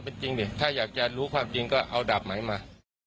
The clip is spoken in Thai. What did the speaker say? เพราะมันถ้าอยากจะรู้ความจริงก็เอาดาบไหมมา